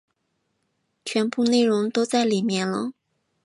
全部内容都在里面了